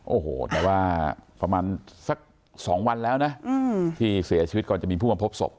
โอ้โหแต่ว่าประมาณสัก๒วันแล้วนะที่เสียชีวิตก่อนจะมีผู้มาพบศพ